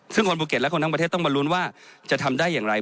ซึ่งคนภูเก็ตและคนทั้งประเทศต้องมาลุ้นว่าจะทำได้อย่างไร